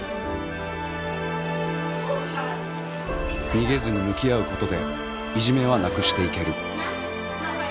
逃げずに向き合うことでいじめはなくしていける。